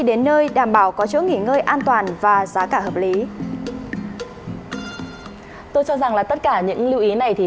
đến nơi đảm bảo có chỗ nghỉ ngơi an toàn và giá cả hợp lý tôi cho rằng là tất cả những lưu ý này thì